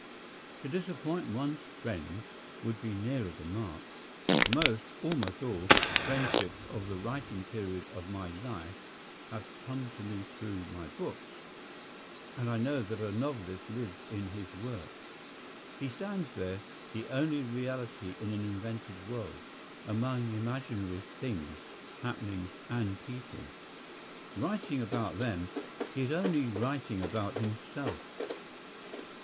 "To disappoint one's friends" would be nearer the mark. Most, almost all, friendships of the writing period of my life have come to me through my books; and I know that a novelist lives in his work. He stands there, the only reality in an invented world, among imaginary things, happenings, and people. Writing about them, he is only writing about himself.